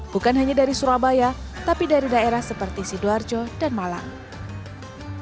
bukan hanya dari surabaya tapi dari daerah seperti sidoarjo dan malang